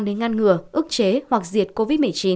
đến ngăn ngừa ức chế hoặc diệt covid một mươi chín